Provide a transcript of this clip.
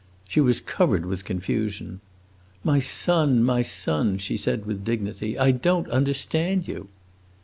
She was covered with confusion. "My son, my son," she said with dignity, "I don't understand you."